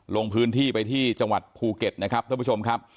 ลงพื้นที่ไปที่จังหวัดภูเก็ตนะครับท่านผู้ชมครับ